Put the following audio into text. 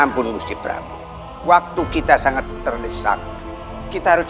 pusaran air apa itu